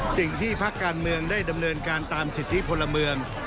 สิ่งที่พักการเมืองได้ดำเนินการตามสิทธิพลเมือง